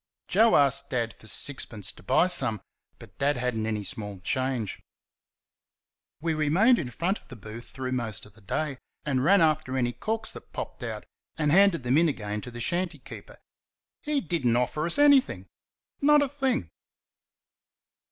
Joe asked Dad for sixpence to buy some, but Dad had n't any small change. We remained in front of the booth through most of the day, and ran after any corks that popped out and handed them in again to the shanty keeper. He did n't offer us anything not a thing!